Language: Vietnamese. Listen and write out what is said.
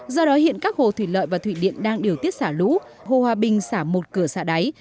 do đó hiện các hồ thủy lợi và thủy điện đang điều tiết xả lũ hồ hòa bình xả một cửa xả đáy